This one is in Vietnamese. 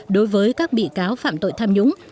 đối với các bị cáo phạm tội tham nhũng